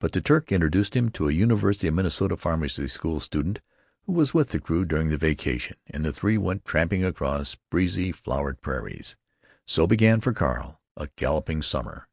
But the Turk introduced him to a University of Minnesota Pharmacy School student who was with the crew during vacation, and the three went tramping across breezy, flowered prairies. So began for Carl a galloping summer.